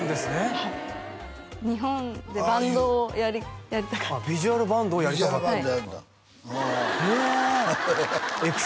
はい日本でバンドをやりたかったビジュアルバンドをやりたかったああへえＸ！